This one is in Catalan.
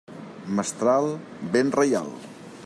Mestral, vent reial.